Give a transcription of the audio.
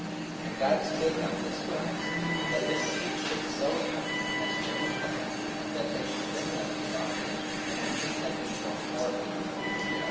44:007:006 And God spake on this wise, That his seed should sojourn in a strange land; and that they should bring them into bondage, and entreat them evil four hundred years.